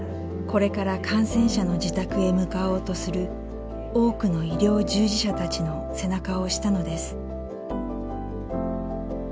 これから感染者の自宅へ向かおうとする多くの医療従事者たちの背中を押したのです。